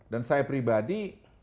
dan saya pribadi